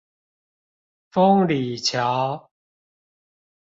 豐里橋